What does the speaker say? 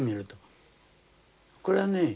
これはね